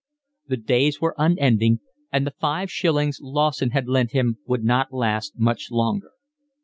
The days were unending, and the five shillings Lawson had lent him would not last much longer.